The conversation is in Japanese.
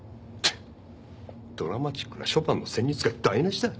ドラマチックなショパンの旋律が台無しだ。